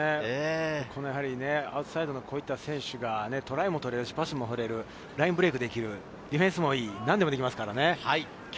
アウトサイドのこういった選手がトライも取れるし、パスも取れる、ラインブレイクできる、ディフェンスもいいし、何でもできますからね。